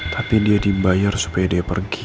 tapi dia dibayar supaya dia pergi